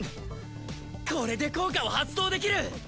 これで効果を発動できる！